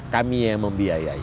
kami yang membiayai